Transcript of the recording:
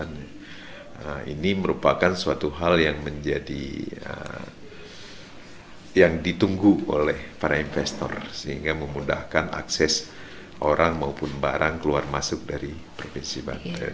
nah ini merupakan suatu hal yang menjadi yang ditunggu oleh para investor sehingga memudahkan akses orang maupun barang keluar masuk dari provinsi banten